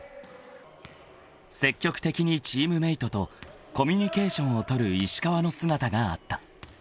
［積極的にチームメートとコミュニケーションを取る石川の姿があった］